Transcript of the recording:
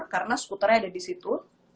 karena skuternya ada disitu